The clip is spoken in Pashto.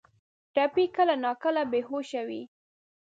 ټپي کله ناکله بې هوشه وي.